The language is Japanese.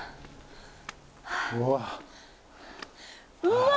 うわ。